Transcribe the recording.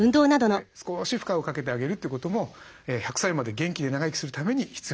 少し負荷をかけてあげるということも１００歳まで元気で長生きするために必要なことです。